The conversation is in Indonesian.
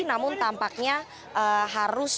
namun tampaknya harus